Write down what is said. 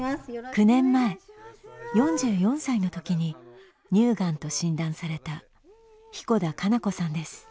９年前４４歳のときに乳がんと診断された彦田かな子さんです。